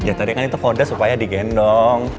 ya tadi kan itu kode supaya digendong